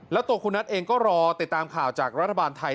แล้วตัวคุณนัทเองก็รอติดตามข่าวจากรัฐบาลไทย